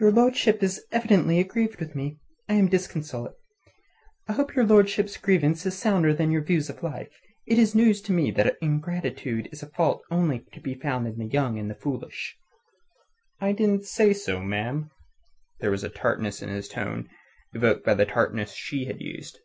"Your lordship is evidently aggrieved with me. I am disconsolate. I hope your lordship's grievance is sounder than your views of life. It is news to me that ingratitude is a fault only to be found in the young and the foolish." "I didn't say so, ma'am." There was a tartness in his tone evoked by the tartness she had used.